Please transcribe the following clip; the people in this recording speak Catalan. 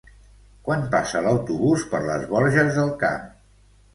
Quan passa l'autobús per les Borges del Camp?